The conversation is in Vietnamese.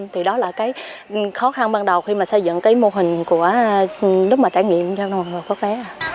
thì đó là cái khó khăn ban đầu khi mà xây dựng cái mô hình của lúc mà trải nghiệm cho mọi người có bé